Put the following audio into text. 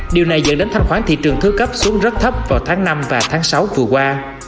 điều này dẫn đến thanh khoản thị trường thứ cấp xuống rất thấp vào tháng năm và tháng sáu vừa qua